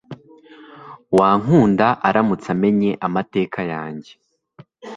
wankunda aramutse amenye amateka yanjye